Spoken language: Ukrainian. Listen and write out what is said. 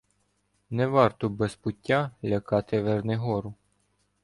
Не варто без пуття лякати Вернигору.